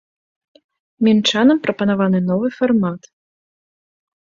Мінчанам прапанаваны новы фармат.